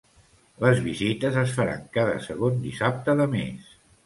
Les visites es faran cada segon dissabte de mes.